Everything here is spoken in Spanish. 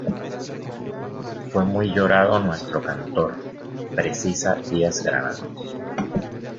Fue muy llorado nuestro cantor"', precisa Díaz-Granados.